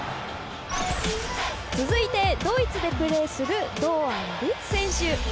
続いてドイツでプレーする堂安律選手。